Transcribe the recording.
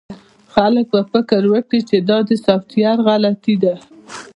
خلک به فکر وکړي چې دا د سافټویر غلطي ده